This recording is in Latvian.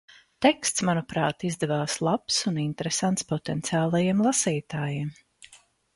Teksts manuprāt izdevās labs un interesants potenciāliem lasītājiem.